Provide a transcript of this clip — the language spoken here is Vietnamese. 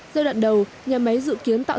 giai đoạn đầu nhà máy dự kiến tạo